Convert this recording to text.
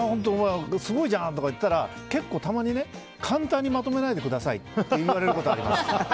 すごいじゃん！とか言うとたまに簡単にまとめないでくださいって言われることあります。